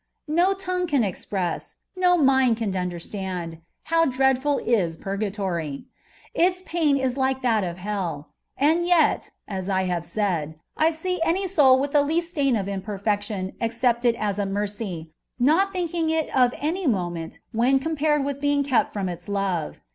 No tongue can express, no mind can understand, how dreadful is pnrgatory. Tts pain is like that of hell ; and yet (as I have said) I see any soni with the least stain of imperfection accept it as a mercy, not thinking it of any moment when compared with being kept from its Love.